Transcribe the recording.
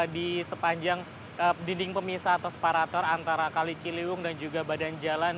di sepanjang dinding pemisah atau separator antara kali ciliwung dan juga badan jalan